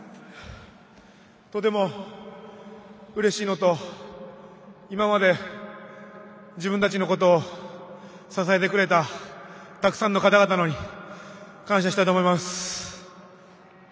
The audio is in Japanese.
とてもうれしいのと今まで自分たちのことを支えてくれた、たくさんの方々に感謝したいと思います。